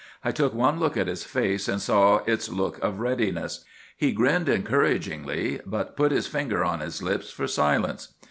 I took one look at his face and saw its look of readiness. He grinned encouragingly, but put his finger on his lips for silence.